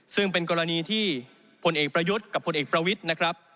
ซึ่งเป็นกรณีที่พลเอกประยุทธ์กับพลเอกประวิทย์นะครับ